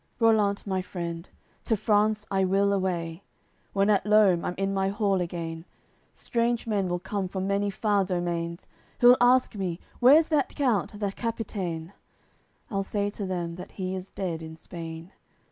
AOI. CCVIII "Rollant, my friend, to France I will away; When at Loum, I'm in my hall again, Strange men will come from many far domains, Who'll ask me, where's that count, the Capitain; I'll say to them that he is dead in Spain.